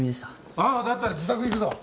あぁだったら自宅行くぞ。